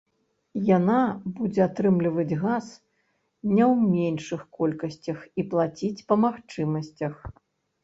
Яна будзе атрымліваць газ не ў меншых колькасцях і плаціць па магчымасцях.